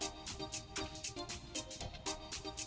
tapi mau jual